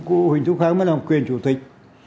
cô huỳnh thúc kháng mới làm quyền chủ tịch